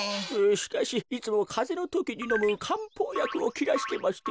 しかしいつもかぜのときにのむかんぽうやくをきらしてまして。